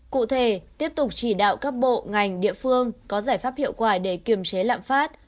cụ thể tiếp tục chỉ đạo các bộ ngành địa phương có giải pháp hiệu quả để kiềm chế lạm phát